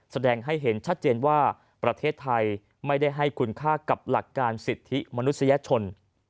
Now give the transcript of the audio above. แสดงให้เห็นชัดเจนว่าประเทศไทยไม่ได้ให้คุณค่ากับหลักการสิทธิมนุษยชน